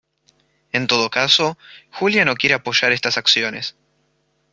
En todo caso, Julia no quiere apoyar estas acciones.